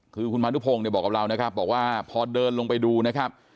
คือคุณพานุพงศ์เนี่ยบอกกับเรานะครับบอกว่าพอเดินลงไปดูนะครับ